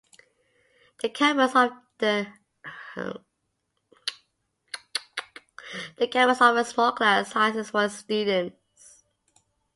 The campus offers small class sizes for its students.